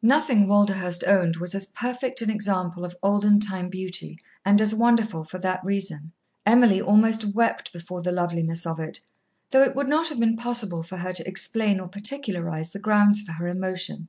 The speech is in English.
Nothing Walderhurst owned was as perfect an example of olden time beauty, and as wonderful for that reason. Emily almost wept before the loveliness of it, though it would not have been possible for her to explain or particularise the grounds for her emotion.